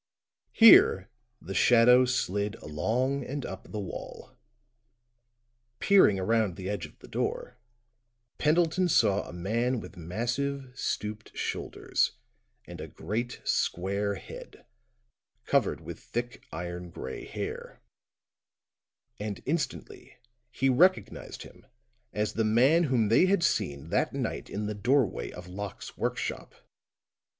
Here the shadow slid along and up the wall; peering around the edge of the door, Pendleton saw a man with massive, stooped shoulders and a great square head, covered with thick, iron gray hair; and instantly he recognized him as the man whom they had seen that night in the doorway of Locke's workshop.